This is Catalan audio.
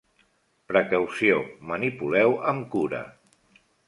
Precaució, manipuleu amb cura.